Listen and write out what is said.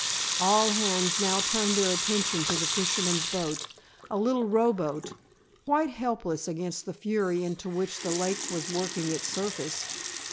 All hands now turned their attention to the fisherman's boat, a little rowboat, quite helpless against the fury into which the lake was working its surface.